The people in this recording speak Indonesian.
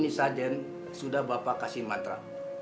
ini sajen sudah bapak kasihin mantra